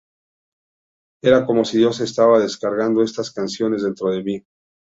Era como si Dios estaba descargando estas canciones dentro de mí.